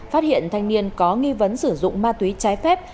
phát hiện thanh niên có nghi vấn sử dụng ma túy trái phép